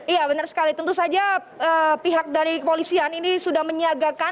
iya benar sekali tentu saja pihak dari kepolisian ini sudah menyiagakan